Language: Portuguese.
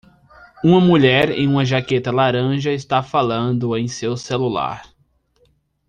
Uma mulher em uma jaqueta laranja está falando em seu celular.